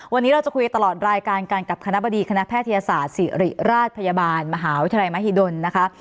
วันนี้เราจะคุยตลอดรายการกันกับคณะบดีคณะแพทยศาสตร์ศิริราชพยาบาลมหาวิทยาลัยมหิดลนะคะ